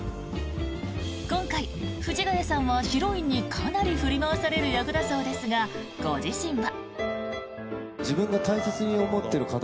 今回、藤ヶ谷さんはヒロインにかなり振り回される役だそうですが、ご自身は。